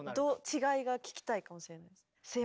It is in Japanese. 違いが聴きたいかもしれないです。